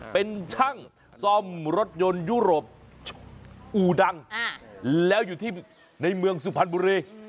เป็นช่างซ่อมรถยนต์ยุโรปอู่ดังแล้วอยู่ที่ในเมืองสุพรรณบุรี